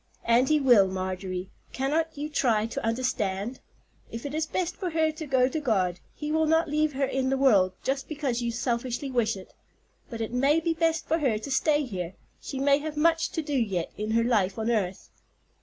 "And He will, Marjorie; cannot you try to understand? If it is best for her to go to God, He will not leave her in the world just because you selfishly wish it. But it may be best for her to stay here; she may have much to do yet in her life on earth."